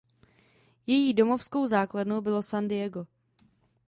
Její domovskou základnou bylo San Diego.